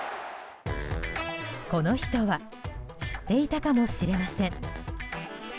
この人は知っていたかもしれません。